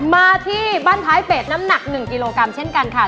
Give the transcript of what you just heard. มาที่บ้านท้ายเป็ดน้ำหนัก๑กิโลกรัมเช่นกันค่ะ